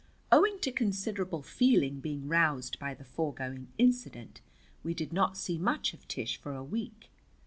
Owing to considerable feeling being roused by the foregoing incident, we did not see much of Tish for a week.